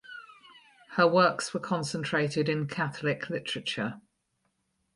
Her works were concentrated in Catholic literature.